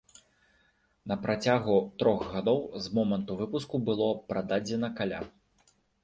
На працягу трох гадоў з моманту выпуску было прададзена каля.